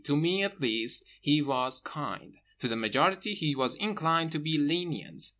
To me, at least, he was kind: to the majority he was inclined to be lenient.